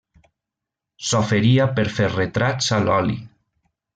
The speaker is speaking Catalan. S'oferia per fer retrats a l'oli.